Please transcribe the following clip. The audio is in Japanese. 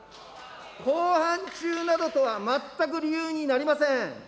公判中などとは全く理由になりません。